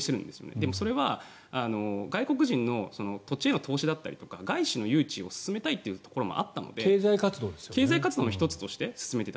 でも、それは外国人の土地への投資だったり外資の誘致を進めたいというところもあったので経済活動の１つとして進めていた。